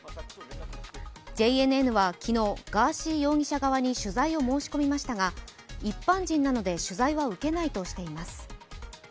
ＪＮＮは昨日ガーシー容疑者側に取材を申し込みましたが一般人なので取材は受けないとしています。